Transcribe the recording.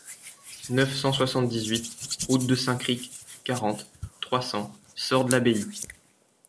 neuf cent soixante-dix-huit route de Saint-Cricq, quarante, trois cents, Sorde-l'Abbaye